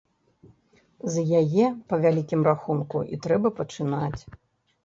З яе, па вялікім рахунку, і трэба пачынаць.